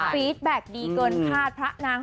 ฟีดแบ็คดีเกินคาดพระนาง